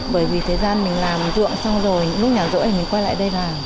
bởi vì thời gian mình làm dựa xong rồi lúc nào rỗi thì mình quay lại đây làm